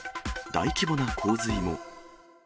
大規模な洪水も。